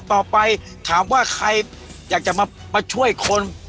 ต่อไปถามว่าใครอยากจะมาช่วยคน